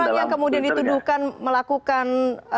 orang yang kemudian dituduhkan melakukan